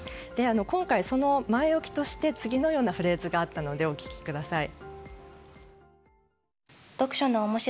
今回、前置きとして次のようなフレーズがあったのでお聞きください。